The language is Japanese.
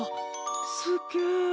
すっげえ。